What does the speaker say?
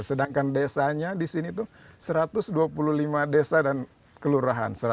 sedangkan desanya di sini itu satu ratus dua puluh lima desa dan kelurahan